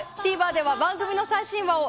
ＴＶｅｒでは番組の最新話を